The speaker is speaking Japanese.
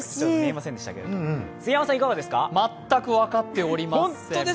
全く分かっておりません。